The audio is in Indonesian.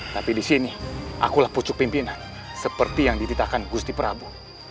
tapi di sini akulah pucuk pimpinan seperti yang diritakan gusti prabowo